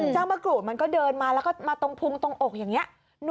เจ้ามะกรูดมันก็เดินมาแล้วก็มาตรงพุงตรงอกอย่างนี้